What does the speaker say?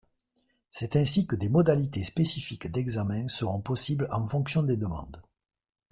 C’est ainsi que des modalités spécifiques d’examen seront possibles en fonction des demandes.